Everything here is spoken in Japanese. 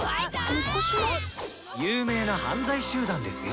有名な犯罪集団ですよ。